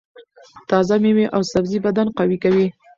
تازه مېوې او سبزۍ بدن قوي کوي.